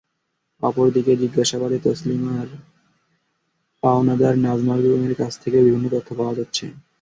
অপরদিকে জিজ্ঞাসাবাদে তাসলিমার পাওনাদার নাজমা বেগমের কাছ থেকেও বিভিন্ন তথ্য পাওয়া যাচ্ছে।